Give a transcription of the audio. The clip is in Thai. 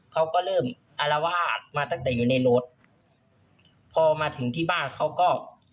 เขาก็เริ่มอารวาสมาตั้งแต่อยู่ในรถพอมาถึงที่บ้านเขาก็